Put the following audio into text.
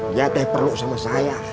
liat deh perluk sama saya